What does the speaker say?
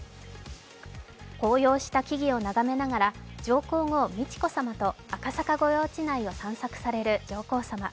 紅葉した木々を眺めながら上皇后・美智子さまと赤坂御用地内を散策される上皇さま。